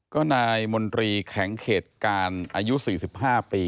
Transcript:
ก็นายมนตรีแข็งเขตการอายุ๔๕ปี